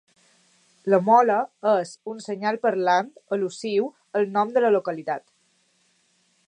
La mola és un senyal parlant al·lusiu al nom de la localitat.